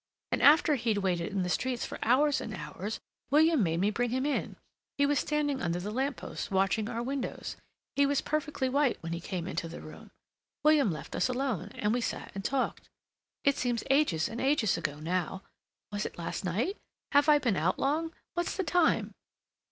And after he'd waited in the streets for hours and hours, William made me bring him in. He was standing under the lamp post watching our windows. He was perfectly white when he came into the room. William left us alone, and we sat and talked. It seems ages and ages ago, now. Was it last night? Have I been out long? What's the time?"